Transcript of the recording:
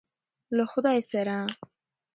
له خدای سره.